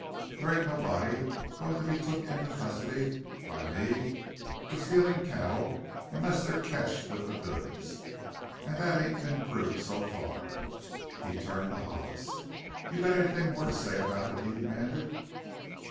There ain't nobody goin' to be took into custody by me for stealin' cattle unless they're ketched with the goods an' that ain't been proved so far." He turned to Hollis. "You got anything more to say about it?" he demanded.